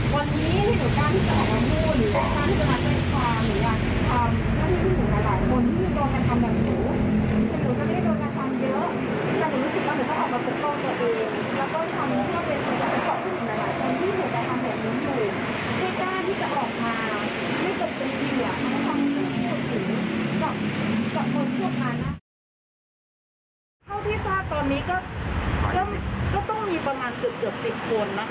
ข้าวที่ป้าตอนนี้ก็ก็ต้องจะมีประมาณจึงเกือบสิบคนนะคะ